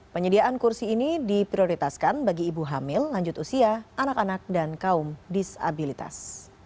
penyediaan kursi ini diprioritaskan bagi ibu hamil lanjut usia anak anak dan kaum disabilitas